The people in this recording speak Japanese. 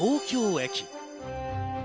東京駅。